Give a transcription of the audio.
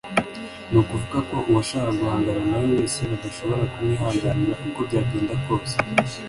nukuvuga ko uwashaka guhangana nawe wese badashobora kumwihanganira uko byagenda kose